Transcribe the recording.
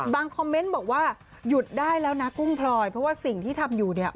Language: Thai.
คอมเมนต์บอกว่าหยุดได้แล้วนะกุ้งพลอยเพราะว่าสิ่งที่ทำอยู่เนี่ย